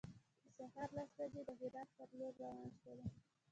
د سهار لس بجې د هرات په لور روان شولو.